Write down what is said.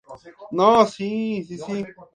Es más frecuente en adultos mayores.